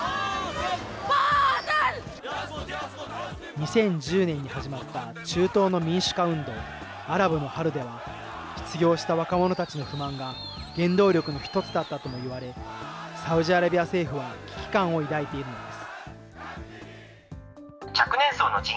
２０１０年に始まった中東の民主化運動、アラブの春では、失業した若者たちの不満が原動力の一つだったとも言われ、サウジアラビア政府は危機感を抱いているのです。